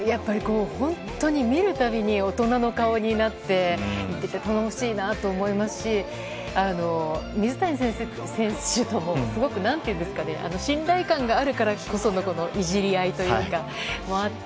本当に見るたびに大人の顔になっていって頼もしいなと思いますし水谷選手ともすごく信頼感があるからこそのいじり合いというのもあって。